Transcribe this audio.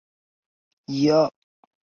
两条重链在铰链区通过二硫键相连。